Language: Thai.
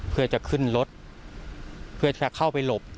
เพื่อจะขึ้นรถเพื่อจะเข้าไปหลบ